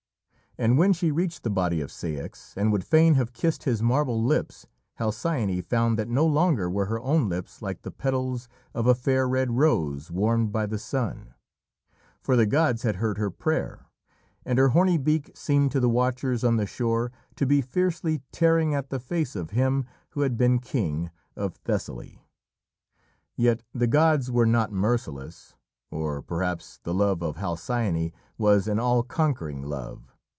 And when she reached the body of Ceyx and would fain have kissed his marble lips, Halcyone found that no longer were her own lips like the petals of a fair red rose warmed by the sun. For the gods had heard her prayer, and her horny beak seemed to the watchers on the shore to be fiercely tearing at the face of him who had been king of Thessaly. [Illustration: A GREY COLD MORNING FOUND HER ON THE SEASHORE] Yet the gods were not merciless or, perhaps, the love of Halcyone was an all conquering love.